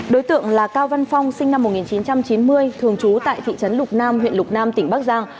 đối tượng là cao văn phong sinh năm một nghìn chín trăm chín mươi thường trú tại thị trấn lục nam huyện lục nam tỉnh bắc giang